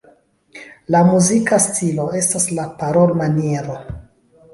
La muzika stilo estas la parolmaniero.